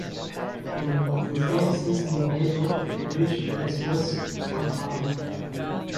In the same season Basel reached the Swiss Cup final.